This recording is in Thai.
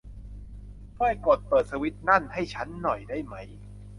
ช่วยกดเปิดสวิตซ์นั่นให้ชั้นหน่อยได้ไหม